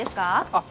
あっ